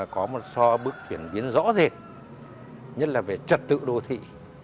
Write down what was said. có bước chuyển biến rõ rệt nhất là về trật tự đô thị